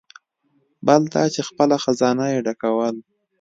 بل دا چې خپله خزانه یې ډکول.